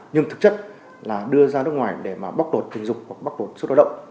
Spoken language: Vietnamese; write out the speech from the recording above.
nhưng thực chất là đưa ra nước ngoài để bóc đột tình dục hoặc bóc đột xuất hoạt động